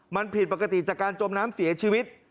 มันผิดปกติจากการจมน้ำเสียชีวิต